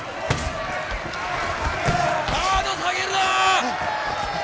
ガード下げるな！